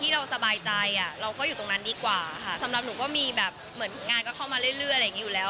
เราก็อยู่ตรงนั้นดีกว่าค่ะสำหรับหนูก็มีแบบเหมือนงานก็เข้ามาเรื่อยอยู่แล้ว